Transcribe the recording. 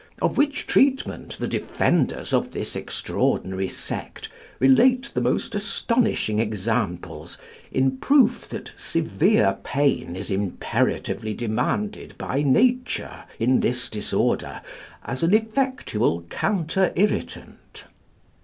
of which treatment the defenders of this extraordinary sect relate the most astonishing examples in proof that severe pain is imperatively demanded by nature in this disorder as an effectual counter irritant.